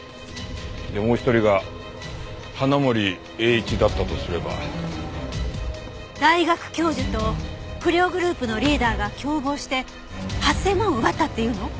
でもう一人が花森栄一だったとすれば。大学教授と不良グループのリーダーが共謀して８０００万を奪ったっていうの？